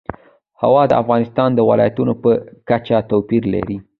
هوا د افغانستان د ولایاتو په کچه توپیر لري.